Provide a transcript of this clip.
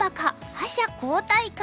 覇者交代か！？